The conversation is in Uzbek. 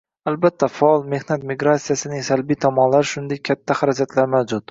Albatta, faol mehnat migratsiyasining salbiy tomonlari, shuningdek, katta xarajatlar mavjud